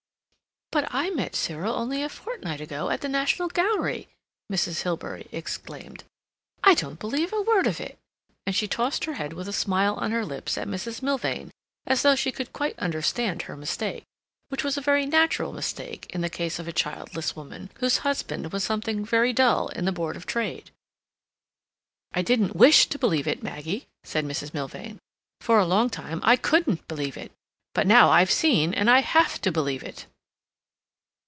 "But I met Cyril only a fortnight ago at the National Gallery!" Mrs. Hilbery exclaimed. "I don't believe a word of it," and she tossed her head with a smile on her lips at Mrs. Milvain, as though she could quite understand her mistake, which was a very natural mistake, in the case of a childless woman, whose husband was something very dull in the Board of Trade. "I didn't wish to believe it, Maggie," said Mrs. Milvain. "For a long time I couldn't believe it. But now I've seen, and I have to believe it."